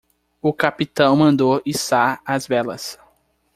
O capitão mandou içar as velas.